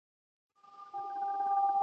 نن سبا به نه یم زمانې راپسی مه ګوره ..